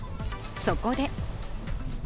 そこで。